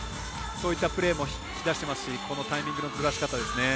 そういったプレーも引き出していますしこのタイミングのずらしかたです。